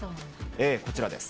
こちらです。